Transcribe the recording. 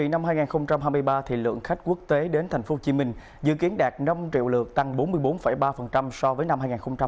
năm hai nghìn hai mươi ba lượng khách quốc tế đến tp hcm dự kiến đạt năm triệu lượt tăng bốn mươi bốn ba so với năm hai nghìn hai mươi hai